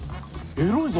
エロいぞ。